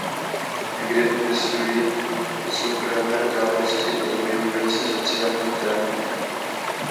Někdy popisují i soukromé událostí a zabývají se sociálními tématy.